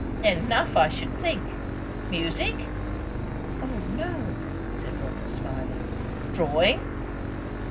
"Enough, I should think. Music?" "O no!" said Rotha smiling. "Drawing?"